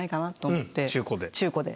中古で？